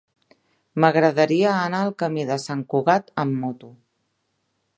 M'agradaria anar al camí de Sant Cugat amb moto.